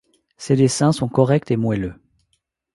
Ses dessins sont corrects et moelleux.